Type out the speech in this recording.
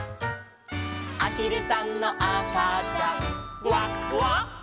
「あひるさんのあかちゃんグワグワ」